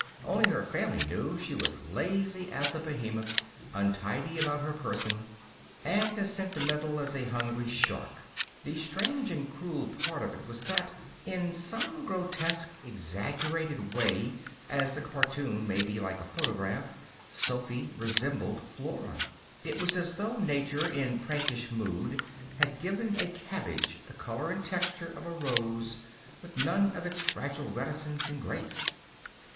Only her family knew she was lazy as a behemoth, untidy about her person, and as sentimental as a hungry shark. The strange and cruel part of it was that, in some grotesque, exaggerated way, as a cartoon may be like a photograph, Sophy resembled Flora. It was as though nature, in prankish mood, had given a cabbage the color and texture of a rose, with none of its fragile reticence and grace.